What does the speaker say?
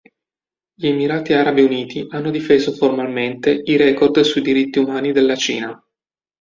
Gli Emirati Arabi Uniti hanno difeso formalmente i record sui diritti umani della Cina.